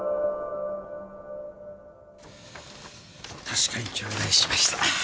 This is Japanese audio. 確かに頂戴しました。